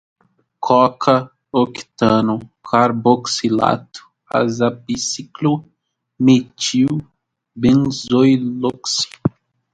coca, octano, carboxilato, azabiciclo, metil, benzoiloxi